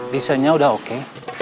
desainnya udah oke